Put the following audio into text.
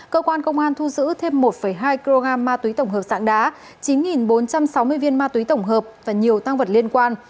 cơ quan công an thu giữ thêm một hai kg ma túy tổng hợp sạng đá chín bốn trăm sáu mươi viên ma túy tổng hợp và nhiều tăng vật liên quan